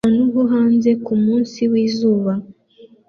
Ahantu ho hanze kumunsi wizuba